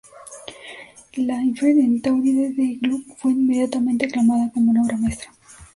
La "Ifigenia en Táuride" de Gluck fue inmediatamente aclamada como una obra maestra.